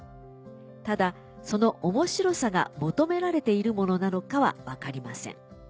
ただその面白さが求められているものなのかは分かりません。